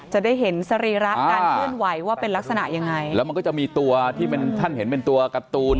จะได้เห็นสรีระการเคลื่อนไหวว่าเป็นลักษณะยังไงแล้วมันก็จะมีตัวที่เป็นท่านเห็นเป็นตัวการ์ตูน